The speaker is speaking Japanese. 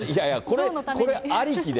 これありきで？